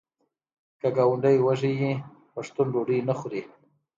که ګاونډی وږی وي پښتون ډوډۍ نه خوري.